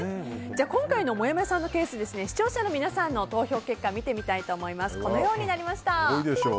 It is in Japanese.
今回のもやもやさんのケース視聴者の皆さんの投票結果を見てみたいと思います。